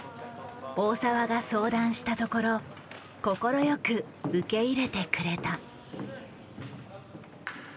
大澤が相談したところ快く受け入れてくれた。